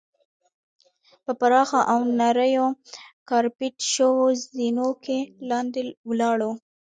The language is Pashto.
په پراخو او نریو کارپیټ شوو زینو کې لاندې ولاړو.